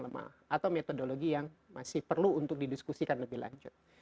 atau metodologi yang lemah atau metodologi yang masih perlu untuk didiskusikan lebih lanjut